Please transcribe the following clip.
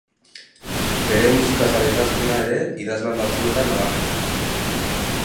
Bere musikazaletasuna ere idazlan batzuetan nabarmentzen da.